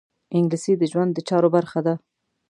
انګلیسي د ژوند د چارو برخه ده